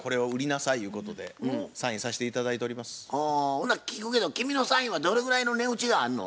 ほな聞くけど君のサインはどれぐらいの値打ちがあんの？